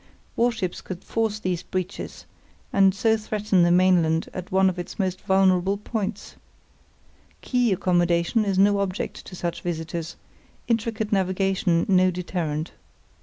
Warships could force these breaches, and so threaten the mainland at one of its few vulnerable points. Quay accommodation is no object to such visitors; intricate navigation no deterrent.